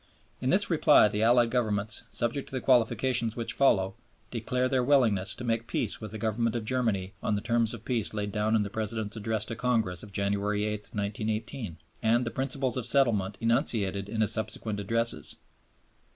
In this reply the Allied Governments, "subject to the qualifications which follow, declare their willingness to make peace with the Government of Germany on the terms of peace laid down in the President's Address to Congress of January 8, 1918, and the principles of settlement enunciated in his subsequent Addresses."